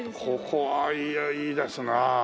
ここはいいですなあ。